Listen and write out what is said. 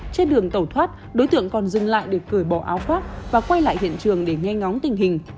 trên đường tẩu thoát đối tượng còn dừng lại để cười bỏ áo khoác và quay lại hiện trường để nhanh ngóng tình hình